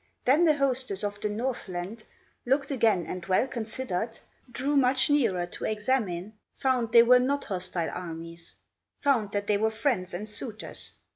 Then the hostess of the Northland Looked again and well considered, Drew much nearer to examine, Found they were not hostile armies, Found that they were friends and suitors.